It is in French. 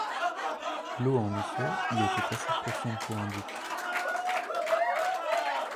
L’eau en effet y était assez profonde pour un duc.